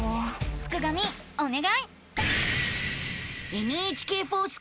すくがミおねがい！